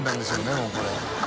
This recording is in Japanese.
もうこれ。